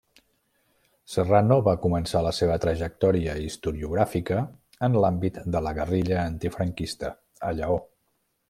Serrano va començar la seva trajectòria historiogràfica en l'àmbit de la guerrilla antifranquista a Lleó.